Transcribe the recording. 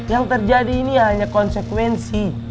yang terjadi ini hanya konsekuensi